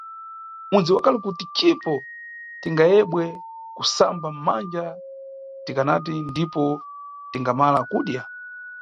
Unʼdziwa kale kuti cipo tingayebwe kusamba manja tikanati ndipo tingamala kudya.